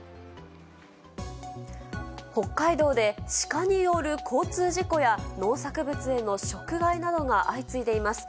北海道で、シカによる交通事故や農作物への食害などが相次いでいます。